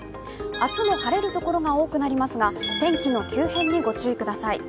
明日も晴れる所が多くなりますが天気の急変にご注意ください。